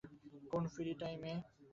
কোন ফ্রি টাইমে?